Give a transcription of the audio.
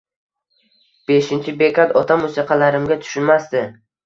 Beshinchi bekat: Otam musiqalarimga tushunmasdi